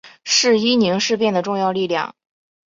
是伊宁事变的重要力量。